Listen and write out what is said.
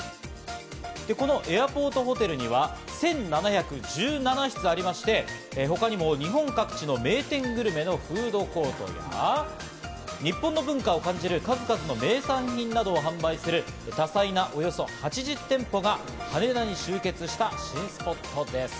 このエアポートホテルには１７１７室ありまして、他にも日本各地の名店グルメのフードコートや、日本の文化を感じる数々の名産品などを販売する多彩なおよそ８０店舗が羽田に集結した新スポットです。